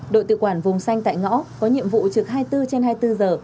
đội tự quản vùng xanh tại ngõ có nhiệm vụ trực hai mươi bốn trên hai mươi bốn giờ